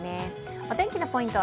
お天気のポイント。